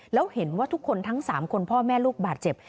แล้วเห็นว่าทุกคนทั้ง๓คนพ่อแม่ลูกบาดเจ็บ